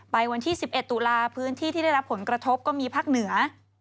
ไปวันที่๑๑ตุลาพื้นที่ที่ได้รับผลกระทบก็มีภาคเหนือ